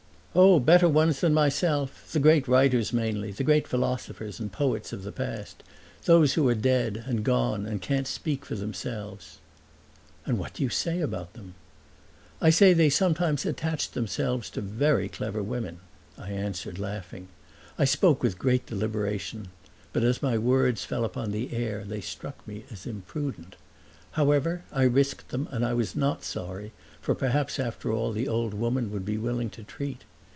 "Oh, better ones than myself: the great writers mainly the great philosophers and poets of the past; those who are dead and gone and can't speak for themselves." "And what do you say about them?" "I say they sometimes attached themselves to very clever women!" I answered, laughing. I spoke with great deliberation, but as my words fell upon the air they struck me as imprudent. However, I risked them and I was not sorry, for perhaps after all the old woman would be willing to treat.